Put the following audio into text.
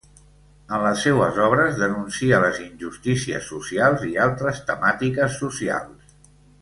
En les seues obres denúncia les injustícies socials i altres temàtiques socials.